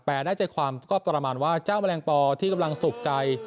ได้ใจความก็ประมาณว่าเจ้าแมลงปอที่กำลังสุขใจ